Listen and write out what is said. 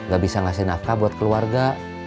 gak bisa ngasih nafkah buat keluarga